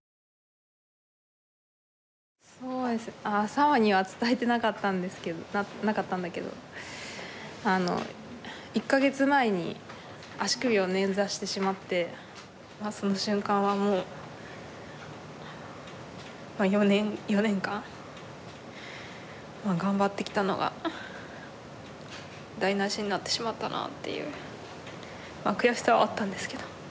サンファには伝えてなかったんだけどあの１か月前に足首を捻挫してしまってその瞬間はもう４年間頑張ってきたのが台なしになってしまったなっていう悔しさはあったんですけど。